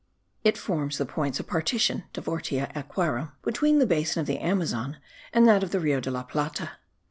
It forms the points of partition (divortia aquarum, between the basin of the Amazon and that of the Rio de la Plata.